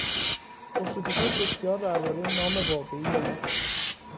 پرس و جوهای بسیار دربارهی نام واقعی او